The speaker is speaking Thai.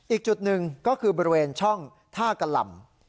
อีกจุดหนึ่งก็คือบริเวณช่องท่ากะหล่ำ